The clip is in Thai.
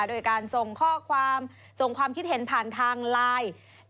โดยการส่งข้อความส่งความคิดเห็นผ่านทางไลน์